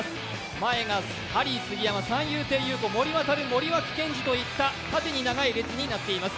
前がハリー杉山、三遊亭遊子、森脇健児といった縦に長い列になっています。